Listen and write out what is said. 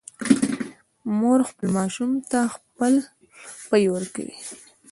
مور خپل ماشوم ته خپل پی ورکوي